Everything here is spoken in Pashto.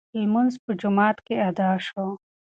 لمونځ په جومات کې ادا شو.